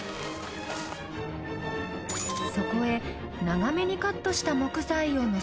そこへ長めにカットした木材をのせていきます。